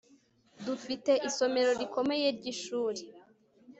Dufite isomero rikomeye ryishuri